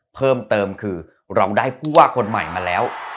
เพิ่มเติมคือเราได้ผู้ว่าคนใหม่มาแล้ว